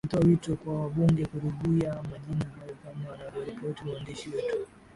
ametoa wito kwa wabunge kuridhia majina hayo kama anavyoripoti mwandishi wetu